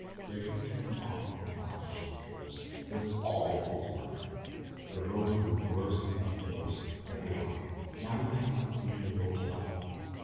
Grigory turned back and lashed the horse with all his might. The road grew worse and worse every hour. Now he could not see the yoke at all.